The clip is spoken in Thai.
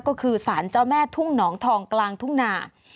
ก็คือสารเจ้าแม่ทุ่งหนองทองกลางทุ่งนา